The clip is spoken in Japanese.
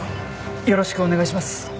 よろしくお願いします。